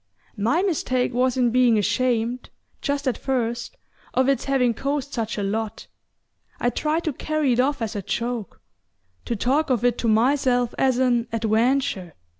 My mistake was in being ashamed, just at first, of its having cost such a lot. I tried to carry it off as a joke to talk of it to myself as an 'adventure'.